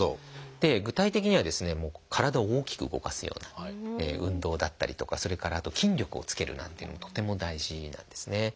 具体的には体を大きく動かすような運動だったりとかそれからあと筋力をつけるなんていうのもとても大事なんですね。